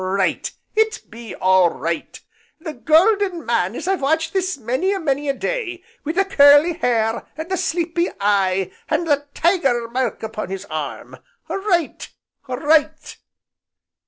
right, it be all right! the golden man as I've watched this many an' many a day, wi' the curly hair, and the sleepy eye, and the Tiger mark upon his arm, right! right!"